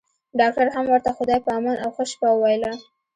ډاکټر هم ورته خدای په امان او ښه شپه وويله.